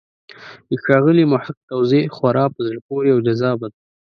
د ښاغلي محق توضیح خورا په زړه پورې او جذابه ده.